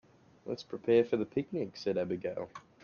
"Let's prepare for the picnic!", said Abigail.